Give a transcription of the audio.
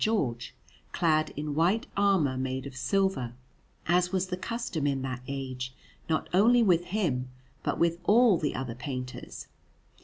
George clad in white armour made of silver, as was the custom in that age not only with him but with all the other painters.